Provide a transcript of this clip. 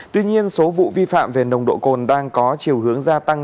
tuy nhiên số vụ vi phạm về nồng độ cồn đang có chiều hướng gia tăng